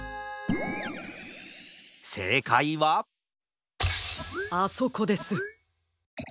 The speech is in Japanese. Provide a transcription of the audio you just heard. せいかいはあそこです。